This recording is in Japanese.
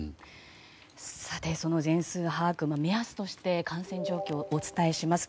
さて、その全数把握の目安として感染状況をお伝えします。